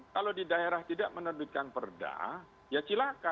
kalau di daerah tidak menerbitkan perda ya silakan